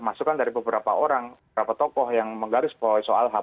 masukan dari beberapa orang beberapa tokoh yang menggaris soal ham